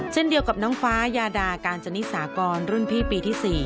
เช่นเดียวกับน้องฟ้ายาดากาญจนนิสากรรุ่นพี่ปีที่๔